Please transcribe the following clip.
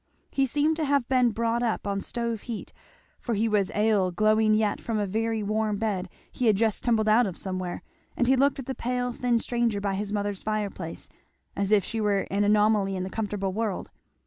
He seemed to have been brought up on stove heat, for he was ail glowing yet from a very warm bed he had just tumbled out of somewhere, and he looked at the pale thin stranger by his mother's fireplace as if she were an anomaly in the comfortable world.